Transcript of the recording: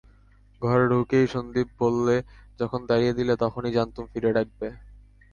ঘরে ঢুকেই সন্দীপ বললে, যখন তাড়িয়ে দিলে তখনই জানতুম ফিরে ডাকবে।